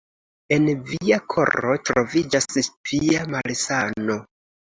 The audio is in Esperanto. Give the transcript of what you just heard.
En via koro troviĝas via malsano.